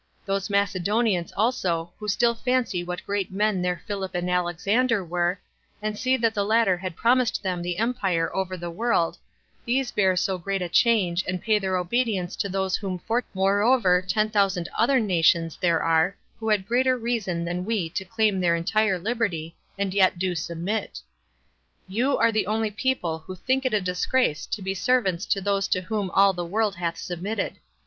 Those Macedonians also, who still fancy what great men their Philip and Alexander were, and see that the latter had promised them the empire over the world, these bear so great a change, and pay their obedience to those whom fortune hath advanced in their stead. Moreover, ten thousand ether nations there are who had greater reason than we to claim their entire liberty, and yet do submit. You are the only people who think it a disgrace to be servants to those to whom all the world hath submitted.